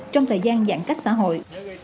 trong thời gian giãn cách xã hội